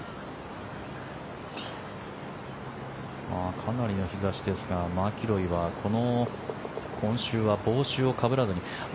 かなりの日差しですがマキロイは今週は帽子をかぶらずに。